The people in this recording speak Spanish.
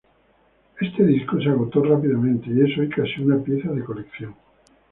Este disco se agotó rápidamente y es hoy casi una pieza de colección.